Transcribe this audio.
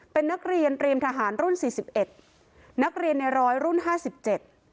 เป็นนักเรียนเตรียมทหารรุ่นสี่สิบเอ็ดนักเรียนในร้อยรุ่นห้าสิบเจ็ด